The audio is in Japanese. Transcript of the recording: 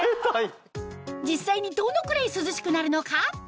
実際にどのくらい涼しくなるのか？